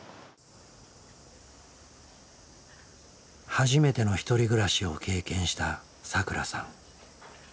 初めての１人暮らしを経験したさくらさん。